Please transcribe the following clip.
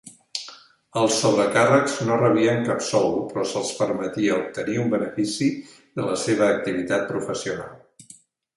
Els sobrecàrrecs no rebien cap sou, però se'ls permetia obtenir un benefici de la seva activitat professional.